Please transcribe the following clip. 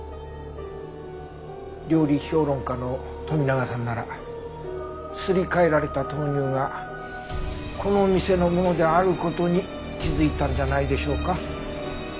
料理評論家の富永さんならすり替えられた豆乳がこのお店のものである事に気づいたんじゃないでしょうか？